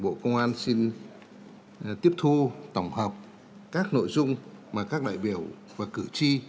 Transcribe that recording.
bộ công an xin tiếp thu tổng hợp các nội dung mà các đại biểu và cử tri